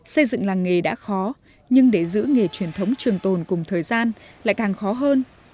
xây dựng làng nghề đã khó nhưng để giữ nghề truyền thống trường tồn cùng thời gian lại càng khó hơn